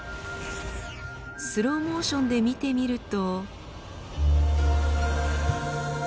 スローモーションで見てみると。